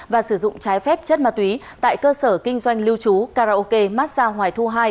và sử dụng trái phép chất ma túy tại cơ sở kinh doanh lưu trú karaoke massage ngoài thu hai